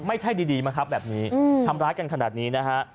ไม่ใช่ดีมาครับแบบนี้ทำร้ายกันขนาดนี้นะฮะ